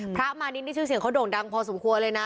พระมานิดนี่ชื่อเสียงเขาโด่งดังพอสมควรเลยนะ